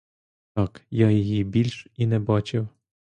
Так я її більш і не бачив.